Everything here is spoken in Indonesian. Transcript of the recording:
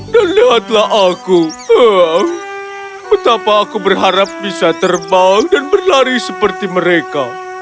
dan lihatlah aku betapa aku berharap bisa terbang dan berlari seperti mereka